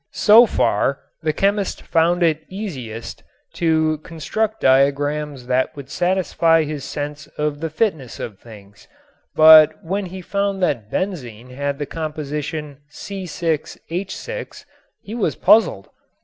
So far the chemist found it east to construct diagrams that would satisfy his sense of the fitness of things, but when he found that benzene had the compostion C_H_ he was puzzled.